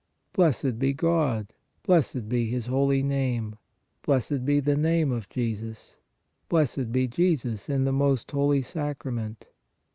Blessed be God. Blessed be His holy Name. Blessed be the Name of Jesus. Blessed be Jesus in the Most Holy Sacrament.